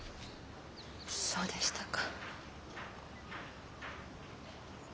そうでしたか。